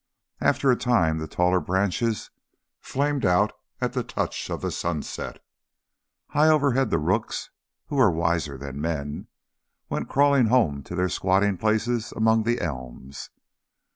After a time the taller branches flamed out at the touch of the sunset. High overhead the rooks, who were wiser than men, went cawing home to their squatting places among the elms.